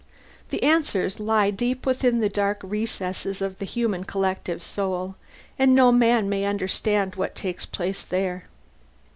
The answers lie deep within the dark recesses of the human collective soul, and no man may understand what takes place there.